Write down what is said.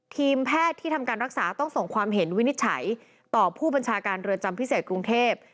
ทีมแพทย์ที่ทำการรักษาต้องส่งความเห็นวินิจฉัยต่อผู้บัญชาการเรือนจำพิเศษกรุงเทพ